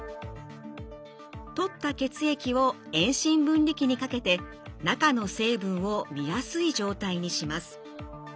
採った血液を遠心分離機にかけて中の成分を見やすい状態にします。